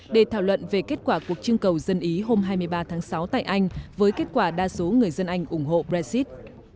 để thảo luận về kết quả cuộc trưng cầu dân ý hôm hai mươi ba tháng sáu tại anh với kết quả đa số người dân anh ủng hộ brexit